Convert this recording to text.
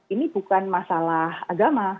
ini bukan masalah agama